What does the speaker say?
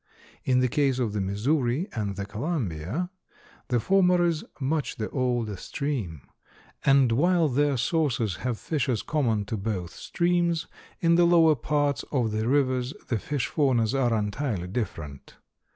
In the case of the Missouri and the Columbia, the former is much the older stream, and while their sources have fishes common to both streams, in the lower parts of the rivers the fish faunas are entirely different.